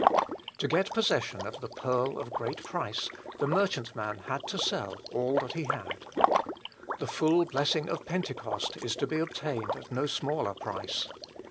To get possession of the pearl of great price, the merchant man had to sell all that he had. The full blessing of Pentecost is to be obtained at no smaller price.